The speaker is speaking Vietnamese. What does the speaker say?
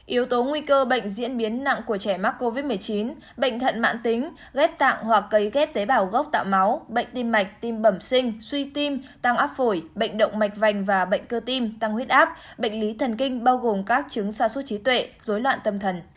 yếu tố nguy cơ bệnh diễn biến nặng của trẻ mắc covid một mươi chín bệnh thận mạng tính ghép tạng hoặc cấy ghép tế bào gốc tạo máu bệnh tim mạch tim bẩm sinh suy tim tăng áp phổi bệnh động mạch vành và bệnh cơ tim tăng huyết áp bệnh lý thần kinh bao gồm các chứng sao suốt trí tuệ dối loạn tâm thần